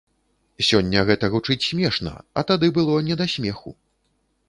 Сёння гэта гучыць смешна, а тады было не смеху.